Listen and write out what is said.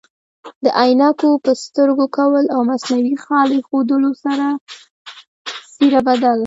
د عینکو په سترګو کول او مصنوعي خال ایښودلو سره څیره بدل